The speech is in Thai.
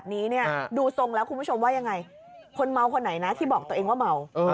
ป้าไม่เมา